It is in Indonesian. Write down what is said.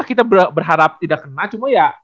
kita berharap tidak kena cuma ya